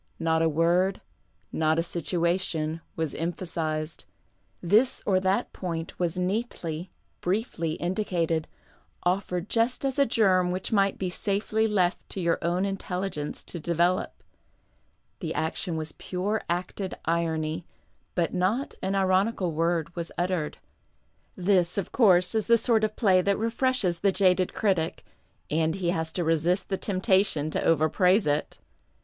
Not a word, not a situation, was empluisizcd. This pp. 273 T PASTICHE AND PREJUDICE or that point was ncally, briefly indicated, offered just as a germ which might be safely left to your own intelligence to develop. The action was pure acted irony, but not an ironical word was uttered. This, of course, is the sort of play that refreshes the jaded critic, and he has to resist the temptation to over praise it.